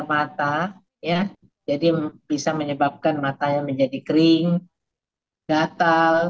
namun pada produksi dari air mata ya jadi bisa menyebabkan matanya menjadi kering gatal